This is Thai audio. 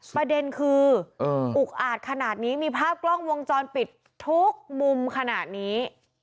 ประเด็นคืออุกอาจขนาดนี้มีภาพกล้องวงจรปิดทุกมุมขนาดนี้